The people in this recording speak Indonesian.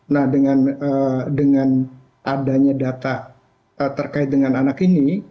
nah dengan adanya data terkait dengan anak ini